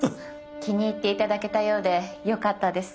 気に入っていただけたようでよかったです。